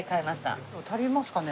足りますかね？